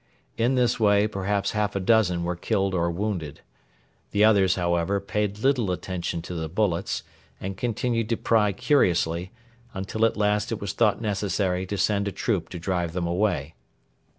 In this way perhaps half a dozen were killed or wounded. The others, however, paid little attention to the bullets, and continued to pry curiously, until at last it was thought necessary to send a troop to drive them away.